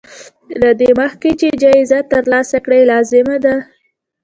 له دې مخکې چې جايزه ترلاسه کړې لازمه ده.